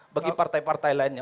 bagi partai partai lainnya